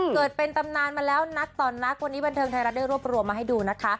เกิดเป็นตำนานมาแล้วนักต่อนักวันนี้บันเทิงไทยรัฐได้รวบรวมมาให้ดูนะคะ